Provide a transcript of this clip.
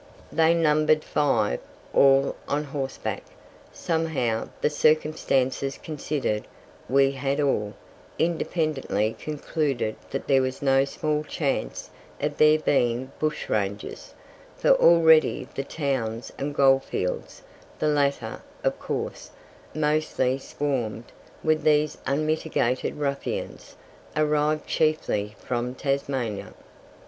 They numbered five, all on horseback. Somehow, the circumstances considered, we had all, independently, concluded that there was no small chance of their being bushrangers; for already the towns and goldfields the latter, of course, mostly swarmed with these unmitigated ruffians, arrived chiefly from Tasmania.